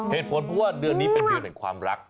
เหตุผลเพราะว่าเดือนนี้เป็นเดือนแห่งความรัก